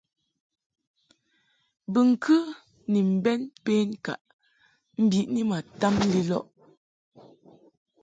Bɨŋkɨ ni mbɛn penkaʼ mbiʼni ma tam lilɔʼ.